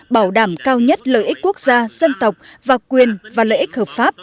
bảo đảm cao nhất lợi ích quốc gia dân tộc và quyền và lợi ích hợp pháp